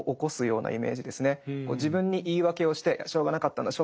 自分に言い訳をして「しょうがなかったんだ。